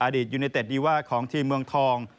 ตยูเนเต็ดดีว่าของทีมเมืองทอง